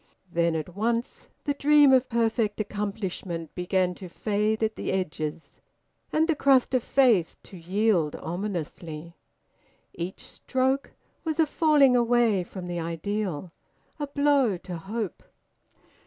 Then at once the dream of perfect accomplishment began to fade at the edges, and the crust of faith to yield ominously. Each stroke was a falling away from the ideal, a blow to hope.